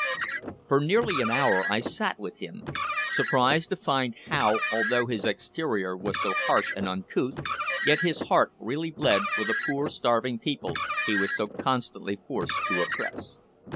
For nearly an hour I sat with him, surprised to find how, although his exterior was so harsh and uncouth, yet his heart really bled for the poor starving people he was so constantly forced to oppress.